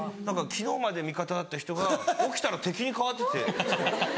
昨日まで味方だった人が起きたら敵に変わってて。